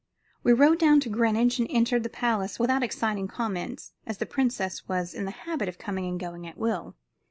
We rode down to Greenwich and entered the palace without exciting comment, as the princess was in the habit of coming and going at will.